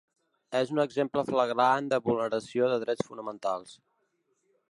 És un exemple flagrant de vulneració de drets fonamentals.